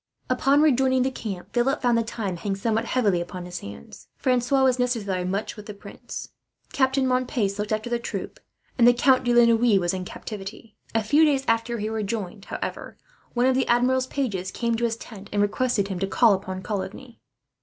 Upon rejoining the camp, Philip found the time hang somewhat heavily upon his hands. Francois was necessarily much with the prince. Captain Montpace looked after the troop, and the Count de la Noue was in captivity. A few days after he rejoined, however, one of the Admiral's pages came to his tent, and requested him to call upon Coligny.